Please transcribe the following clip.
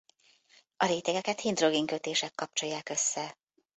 A rétegeket hidrogénkötések kapcsolják össze.